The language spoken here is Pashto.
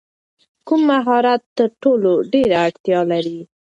کوم مهارت ته تر ټولو ډېره اړتیا لرې؟